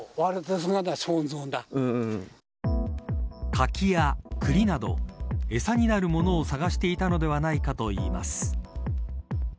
カキやクリなど餌になるものを探してたのではないかといいます。